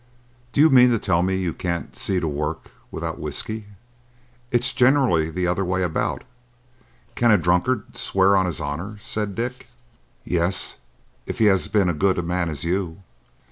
"Do you mean to tell me that you can't see to work without whiskey? It's generally the other way about." "Can a drunkard swear on his honour?" said Dick. "Yes, if he has been as good a man as you."